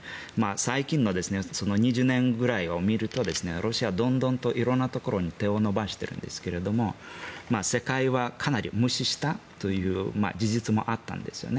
最近の２０年ぐらいを見るとロシアはどんどんと色んなところに手を伸ばしているんですけども世界はかなり無視したという事実もあったんですよね。